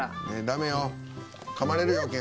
ダメよ。